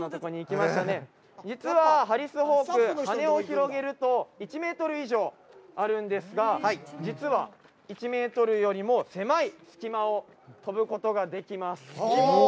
実はハリスホーク羽を広げると１ｍ以上あるんですが実は１ｍよりも狭い隙間を飛ぶことができます。